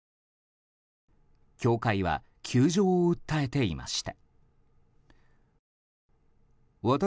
教会は窮状を訴えていました。